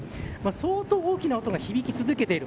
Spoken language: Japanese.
相当大きな音が響き続けている。